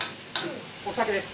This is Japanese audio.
お酒です。